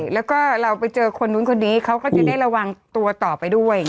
แล้วก็เราไปเจอคนนู้นคนนี้เขาก็จะได้ระวังตัวต่อไปด้วย